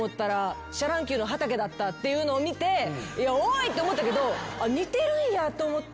っていうのを見ておい！って思ったけど似てるんやと思って